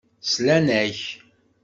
Slan-ak.